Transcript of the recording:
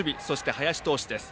林投手です。